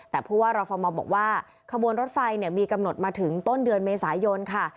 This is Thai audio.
แต่ผู้ว่ารฟมบอกว่าขบวนรถไฟมีกำหนดมาถึงต้นเดือนเมษายนค่ะ